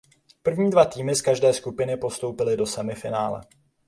První dva týmy z každé skupiny postoupily do semifinále.